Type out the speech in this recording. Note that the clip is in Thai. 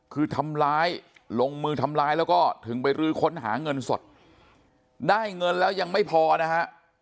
คือทำร้ายลงมือทำร้ายแล้วก็ถึงไปรื้อค้นหาเงินสดได้เงินแล้วยังไม่พอนะฮะ